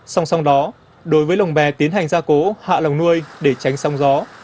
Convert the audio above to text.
song song đó đối với lồng bè tiến hành ra cố hạ lồng nuôi để tránh song gió